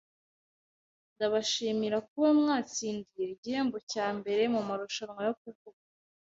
Ndabashimira kuba mwatsindiye igihembo cya mbere mumarushanwa yo kuvuga.